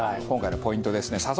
今回のポイントですね。